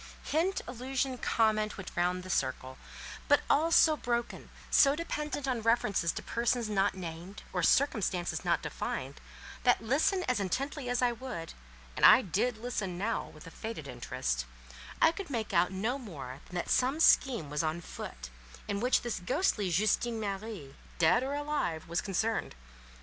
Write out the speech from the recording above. Hint, allusion, comment, went round the circle, but all so broken, so dependent on references to persons not named, or circumstances not defined, that listen as intently as I would—and I did listen now with a fated interest—I could make out no more than that some scheme was on foot, in which this ghostly Justine Marie—dead or alive—was concerned.